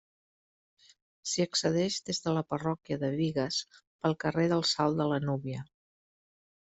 S'hi accedeix des de la Parròquia de Bigues pel carrer del Salt de la Núvia.